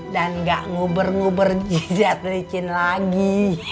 dan gak nguber nguber jizat licin lagi